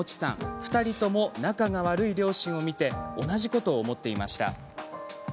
２人とも仲が悪い両親を見て同じことを思っていました。